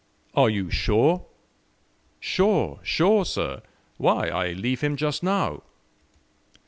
"Are you sure?" "Sure, sure, sir. Why, I leave him just now."